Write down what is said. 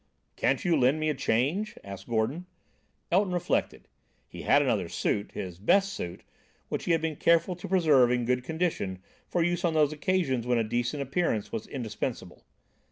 "Can't you lend me a change?" asked Gordon. Elton reflected. He had another suit, his best suit, which he had been careful to preserve in good condition for use on those occasions when a decent appearance was indispensable.